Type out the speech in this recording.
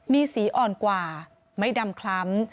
มีสีอ่อนกว่าไม่ดำคล้ำ